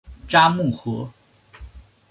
札木合。